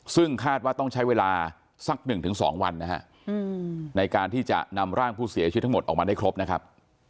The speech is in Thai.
ซึ่งคาดว่าต้องใช้เวลาสัก๑๒วันนะฮะในการที่จะนำร่างผู้เสียชีวิตทั้งหมดออกมาได้ครบนะครับ